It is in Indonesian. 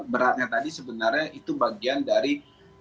beratnya tadi sebenarnya itu bagian dari